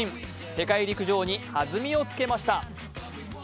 世界陸上に弾みをつけました。